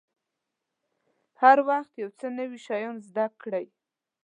هر وخت یو څه نوي شیان زده کړئ.